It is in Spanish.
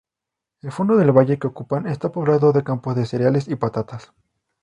El fondo del valle que ocupan está poblado de campos de cereales y patatas.